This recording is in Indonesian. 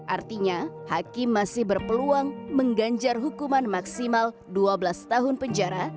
artinya hakim masih berpeluang mengganjar hukuman maksimal dua belas tahun penjara